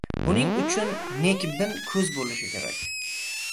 Buning uchun nekbin ko‘z bo‘lishi kerak.